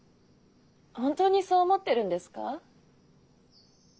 本当にそう思ってるんですか？